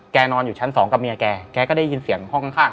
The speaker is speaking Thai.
นอนอยู่ชั้นสองกับเมียแกแกก็ได้ยินเสียงห้องข้าง